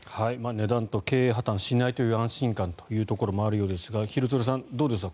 値段と経営破たんしないという安心感というところもあるようですが廣津留さんどうですか。